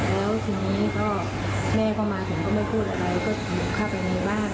แล้วทีนี้ก็แม่ก็มาผมก็ไม่พูดอะไรก็เข้าไปในบ้าน